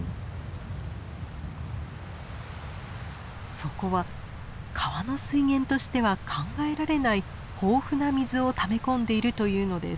そこは川の水源としては考えられない豊富な水をため込んでいるというのです。